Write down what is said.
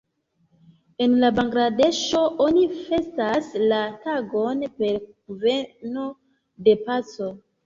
En Bangladeŝo oni festas la tagon per Kunveno de Paco.